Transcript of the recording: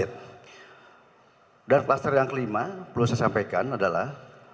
dan kluster yang kelima perlu saya sampaikan adalah